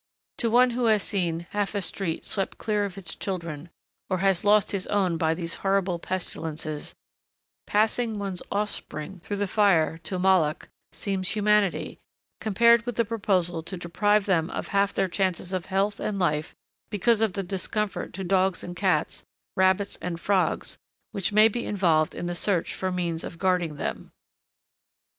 To one who has seen half a street swept clear of its children, or has lost his own by these horrible pestilences, passing one's offspring through the fire to Moloch seems humanity, compared with the proposal to deprive them of half their chances of health and life because of the discomfort to dogs and cats, rabbits and frogs, which may be involved in the search for means of guarding them.